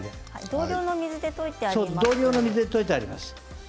同量の水で溶いてあります。